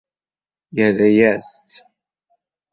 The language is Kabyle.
Yerra-yas-tt.